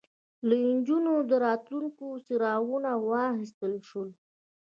له نجونو د راتلونکي څراغونه واخیستل شول